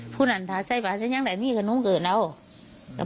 พรุนถาไสบาทใส่อย่างไรไปคุณยายเอา